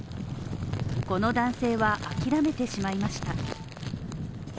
この男性は諦めてしまいました。